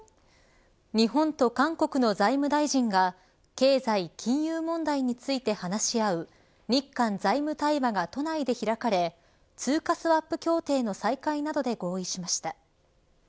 日本と韓国の財務大臣が経済、金融問題について話し合う日韓財務対話が都内で開かれ通貨スワップ協定の再開などで合意しました。